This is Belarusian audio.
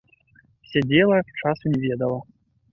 Сядзела, часу не ведала.